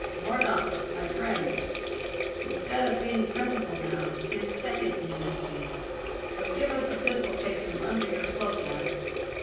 Morthaunt, my frind, instead of being principal now, 'tis second ye must be. So give us the pisthol case from under your cloak, man."